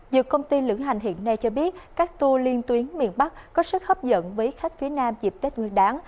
dự công ty lưỡng hành hiện nay cho biết các tour liên tuyến miền bắc có sức hấp dẫn với khách phía nam dịp tết nguyên đáng